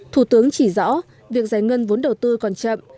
thủ tướng chỉ rõ việc giải ngân vốn đầu tư còn chậm